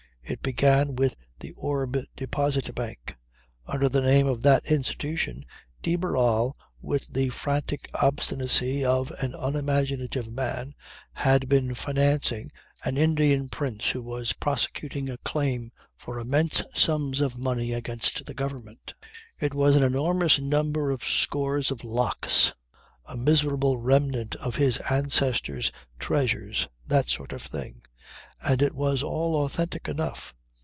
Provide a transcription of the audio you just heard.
It began with the Orb Deposit Bank. Under the name of that institution de Barral with the frantic obstinacy of an unimaginative man had been financing an Indian prince who was prosecuting a claim for immense sums of money against the government. It was an enormous number of scores of lakhs a miserable remnant of his ancestors' treasures that sort of thing. And it was all authentic enough.